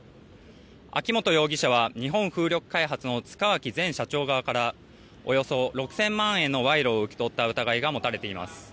秋本容疑者は日本風力開発の塚脇前社長側からおよそ６０００万円の賄賂を受け取った疑いが持たれています。